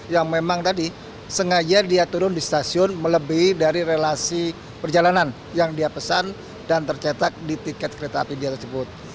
yang memang tadi sengaja dia turun di stasiun melebih dari relasi perjalanan yang dia pesan dan tercetak di tiket kereta api dia tersebut